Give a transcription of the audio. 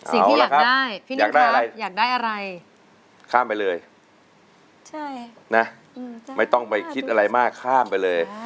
สิ่งที่อยากได้พี่นิดครับอยากได้อะไรข้ามไปเลยไม่ต้องไปคิดอะไรมากข้ามไปเลย